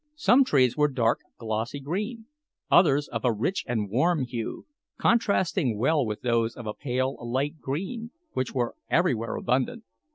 Some trees were dark, glossy green; others of a rich and warm hue, contrasting well with those of a pale, light green, which were everywhere abundant.